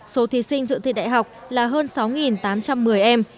số thí sinh dự thi đại học là hơn sáu tám trăm một mươi em